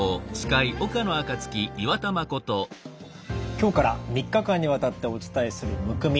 今日から３日間にわたってお伝えするむくみ。